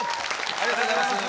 ありがとうございます。